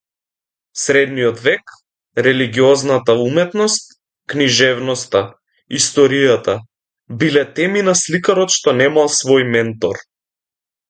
Средниот век, религиозната уметност, книжевноста, историјата, биле теми на сликарот што немал свој ментор.